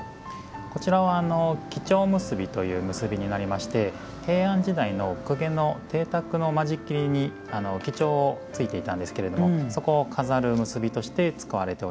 こちらは几帳結びという結びになりまして平安時代のお公家の邸宅の間仕切りに几帳ついていたんですけれどもそこを飾る結びとして使われておりました。